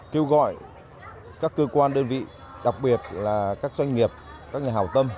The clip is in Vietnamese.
kêu gọi các cơ quan đơn vị đặc biệt là các doanh nghiệp các nhà hào tâm